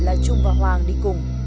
là trung và hoàng đi cùng